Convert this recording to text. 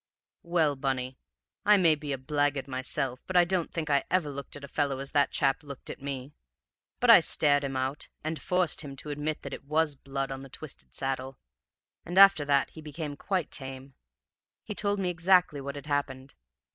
"Well, Bunny, I may be a blackguard myself, but I don't think I ever looked at a fellow as that chap looked at me. But I stared him out, and forced him to admit that it was blood on the twisted saddle, and after that he became quite tame. He told me exactly what had happened.